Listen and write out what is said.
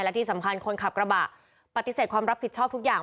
และที่สำคัญคนขับกระบะปฏิเสธความรับผิดชอบทุกอย่าง